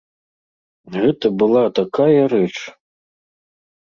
Гэта была такая рэч!